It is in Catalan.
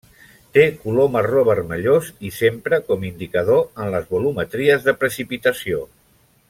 Té color marró vermellós i s'empra com indicador en les volumetries de precipitació.